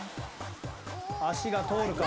足が通るか？